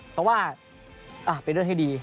เพราะว่าเป็นเรื่องที่ดี